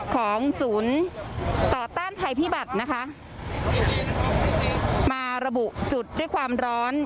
ของศูนย์ต่อต้านภัยพิบัตินะคะมาระบุจุดด้วยความร้อน